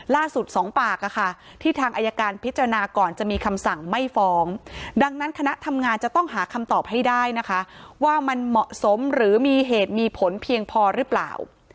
สองปากที่ทางอายการพิจารณาก่อนจะมีคำสั่งไม่ฟ้องดังนั้นคณะทำงานจะต้องหาคำตอบให้ได้นะคะว่ามันเหมาะสมหรือมีเหตุมีผลเพียงพอหรือเปล่า